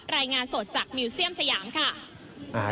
รายงานสดจากมิวเซียมสยามค่ะ